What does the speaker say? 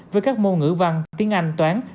với các môn ngữ văn tiếng anh toán